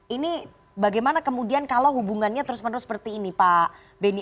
ini bagaimana kemudian kalau hubungannya terus menerus seperti ini pak beni